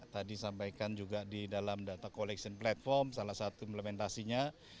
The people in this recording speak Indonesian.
tadi sampaikan juga di dalam data collection platform salah satu implementasinya